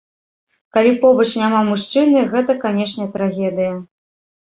Калі побач няма мужчыны, гэта, канешне, трагедыя.